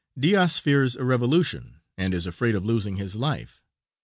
Diaz fears a revolution, and is afraid of losing his life.